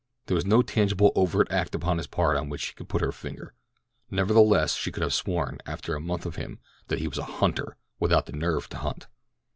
There was no tangible overt act upon his part on which she could put her finger; nevertheless, she could have sworn, after a month of him, that he was a "hunter" without the nerve to hunt.